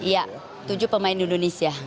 ya tujuh pemain di indonesia